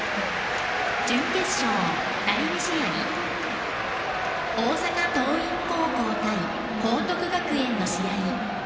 準決勝、第２試合大阪桐蔭高校対報徳学園の試合。